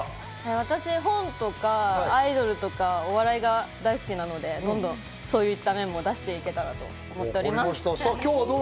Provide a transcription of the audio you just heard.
私、本とかアイドルとか、お笑いが大好きなので、どんどんそういった面も出していけたらと思います。